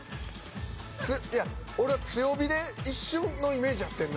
いや俺は強火で一瞬のイメージやってんな。